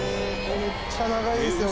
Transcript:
めっちゃ長いですよ